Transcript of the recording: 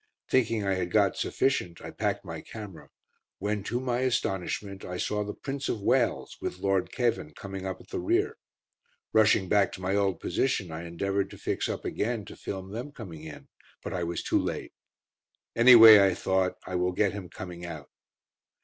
Thinking I had got sufficient I packed my camera, when, to my astonishment, I saw the Prince of Wales, with Lord Cavan, coming up at the rear. Rushing back to my old position, I endeavoured to fix up again, to film them coming in, but I was too late. "Anyway," I thought, "I will get him coming out."